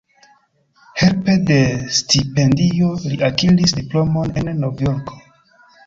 Helpe de stipendio li akiris diplomon en Novjorko.